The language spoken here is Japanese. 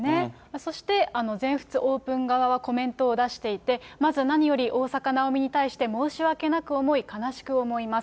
そして、全仏オープン側はコメント出していて、まずなにより大坂なおみに対して申し訳なく思い、悲しく思います。